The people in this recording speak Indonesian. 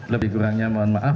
lebih kurangnya mohon maaf